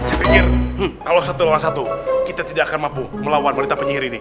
saya pikir kalau satu kita tidak akan mampu melawan wanita penyihir ini